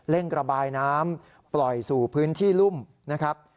ระบายน้ำปล่อยสู่พื้นที่รุ่มนะครับ